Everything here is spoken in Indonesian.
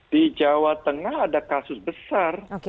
di jawa tengah ada kasus besar